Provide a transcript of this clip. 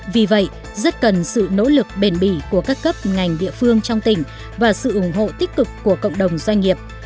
vì vậy rất cần sự nỗ lực bền bỉ của các cấp ngành địa phương trong tỉnh và sự ủng hộ tích cực của cộng đồng doanh nghiệp